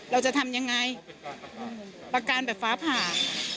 เราจะทำยังไงประการแบบฟ้าผ่า